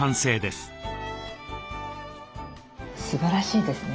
すばらしいですね。